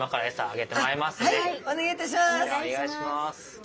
お願いします。